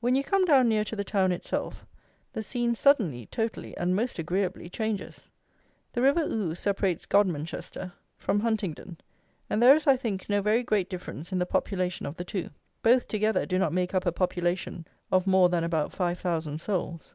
When you come down near to the town itself, the scene suddenly, totally, and most agreeably, changes. The River Ouse separates Godmanchester from Huntingdon, and there is, I think, no very great difference in the population of the two. Both together do not make up a population of more than about five thousand souls.